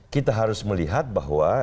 kita harus melihat bahwa